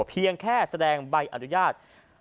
เพียงแค่แสดงใบอนุญาต